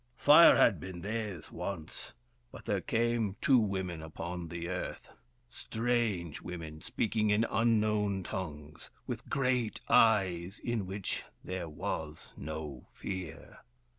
Fire had been theirs once. But there came two women upon the Earth ; strange women, speaking in unknown tongues, with great eyes in which there was no fear.